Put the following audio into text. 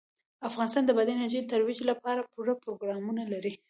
افغانستان د بادي انرژي د ترویج لپاره پوره پروګرامونه لري.